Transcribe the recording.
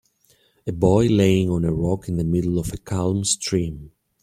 A boy laying on a rock in the middle of a calm stream.